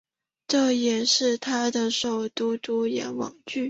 这也是他的首部主演网剧。